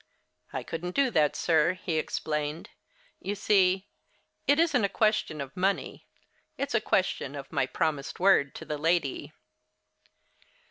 "I couldn't do that, sir," he explained. "You see, it isn't a question of money; it's a question of my promised word to the lady."